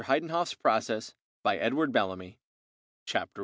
HEIDENHOFF'S PROCESS by EDWARD BELLAMY CHAPTER I.